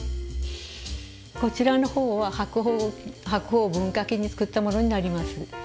こちらの方は白鳳文化期に作ったものになります。